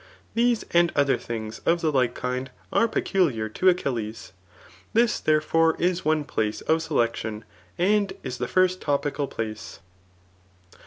These, and other things of the like kind, are peculiar to Achilles. This, therefore, is one place of selection, and is the first topical place.